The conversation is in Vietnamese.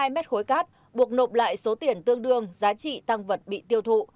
hai trăm sáu mươi hai mét khối cát buộc nộp lại số tiền tương đương giá trị tăng vật bị tiêu thụ